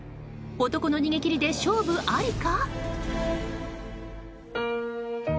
男の逃げ切りで勝負ありか？